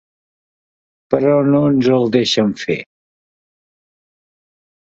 Però no ens el deixen fer.